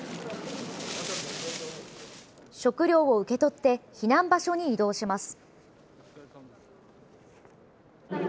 食料を受け取って避難場所に移動します。